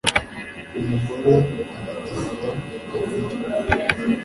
umugore aragenda, ararya